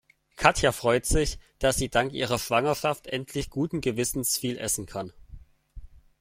Katja freut sich, dass sie dank ihrer Schwangerschaft endlich guten Gewissens viel essen kann.